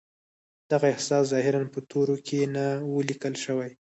دغه احساس ظاهراً په تورو کې نه و ليکل شوی.